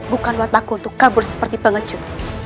bukan waktuku untuk kabur seperti pengecut